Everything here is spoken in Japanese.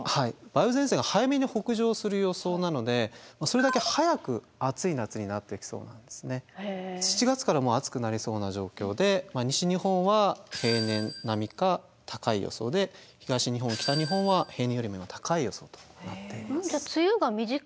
梅雨前線が早めに北上する予想なのでそれだけ７月からもう暑くなりそうな状況で西日本は平年並みか高い予想で東日本・北日本は平年よりも高い予想となっています。